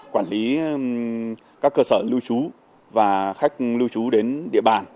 quản lý các cơ sở lưu trú và khách lưu trú đến địa bàn